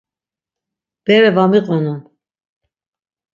Bere va miqonun.